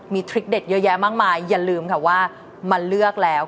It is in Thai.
มีทริคเด็ดเยอะแยะมากมายอย่าลืมค่ะว่ามาเลือกแล้ว